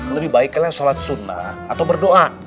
lebih baik kalian shalat sunnah atau berdoa